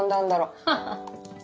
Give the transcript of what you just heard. ハハハッ。